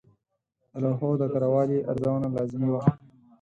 د لوحو د کره والي ارزونه لازمي وه.